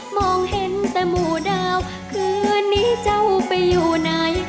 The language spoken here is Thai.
มองเห็นแต่หมู่ดาวคืนนี้เจ้าไปอยู่ไหน